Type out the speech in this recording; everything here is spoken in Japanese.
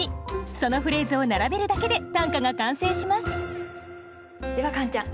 そのフレーズを並べるだけで短歌が完成しますではカンちゃん。